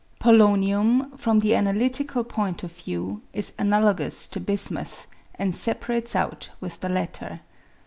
Polonium, from the analytical point of view, is analogous to bismuth, and separates out with the latter.